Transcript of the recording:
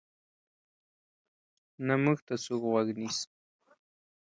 نه موږ ته څوک غوږ نیسي.